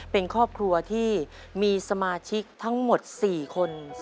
เป็นครอบครัวที่มีสมาชิกทั้งหมด๔คน